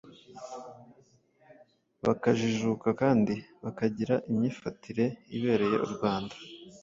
bakajijuka kandi bakagira imyifatire ibereye u Rwanda.